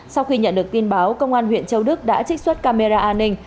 sau khi nhận được tin báo công an huyện châu đức đã trích xuất camera an ninh